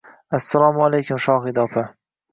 Assalomu alaykum, Shohida opa